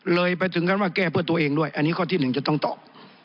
เลยไปถึงขั้นว่าแก้เพื่อตัวเองด้วยอันนี้ข้อที่หนึ่งจะต้องตอบ